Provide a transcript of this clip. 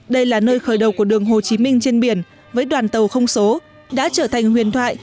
đây là nơi khởi đầu của đường hồ chí minh trên biển với đoàn tàu không số đã trở thành huyền thoại